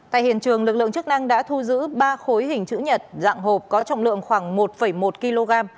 tại hiện trường lực lượng chức năng đã thu giữ ba khối hình chữ nhật dạng hộp có trọng lượng khoảng một một kg